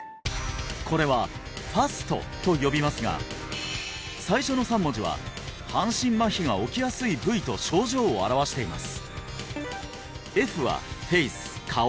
これは「ＦＡＳＴ」と呼びますが最初の３文字は半身麻痺が起きやすい部位と症状を表しています